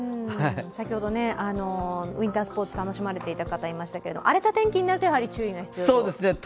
先ほどウインタースポーツ楽しまれていた方いましたけど荒れた天気になるとやはり注意が必要だと。